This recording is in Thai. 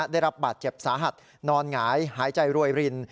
ได้รับบาดเจ็บสาหัสนอนหงายหายใจรวยริน